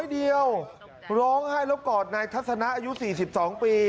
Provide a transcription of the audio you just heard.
ปลาเบี้ยวร้องให้แล้วก่อนในทัศนาอายุสี่สิบสองปี